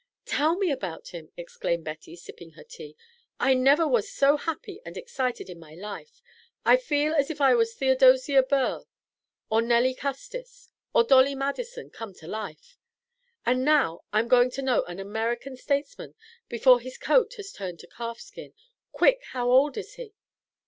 "Tell me all about him!" exclaimed Betty, sipping her tea. "I never was so happy and excited in my life. I feel as if I was Theodosia Burr, or Nelly Custis, or Dolly Madison come to life. And now I'm going to know an American statesman before his coat has turned to calf skin. Quick! How old is he?"